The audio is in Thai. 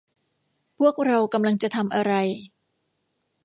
พวกเรากำลังจะทำอะไร